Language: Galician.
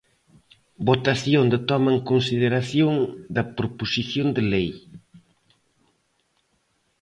Votación de toma en consideración da Proposición de lei.